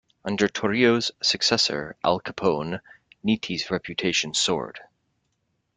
Under Torrio's successor Al Capone, Nitti's reputation soared.